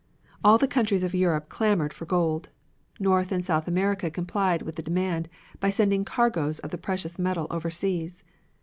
All the countries of Europe clamored for gold. North and South America complied with the demand by sending cargoes of the precious metal overseas.